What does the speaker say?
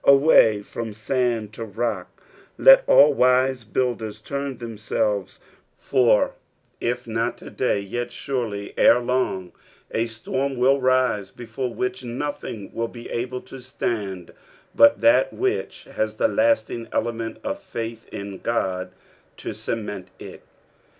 .Away ftom sand tn rock let nil wise builders turn themselves, fur if not to day, jet aurely ere long, a etoim will ri^'c before which nothing will be able to stand biit that which has the lasting element iif faith in Ood to eement it.